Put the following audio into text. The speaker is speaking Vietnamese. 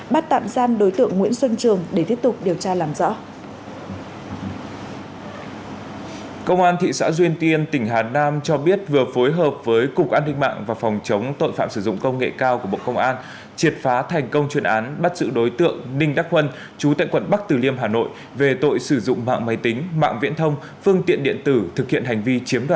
bắt tạm gian đối tượng nguyễn xuân trường để tiếp tục điều tra làm rõ